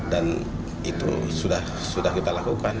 dan itu sudah kita lakukan